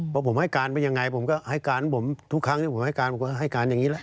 เพราะผมให้การเป็นยังไงผมก็ให้การผมทุกครั้งให้การอย่างนี้แหละ